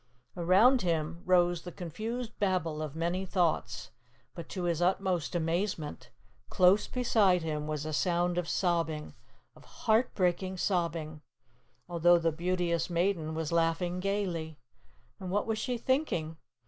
Around him rose the confused babble of many thoughts; but to his utmost amazement, close beside him was a sound of sobbing, of heart breaking sobbing, although the Beauteous Maiden was laughing gayly. And what was she thinking?